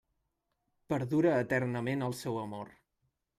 Perdura eternament el seu amor.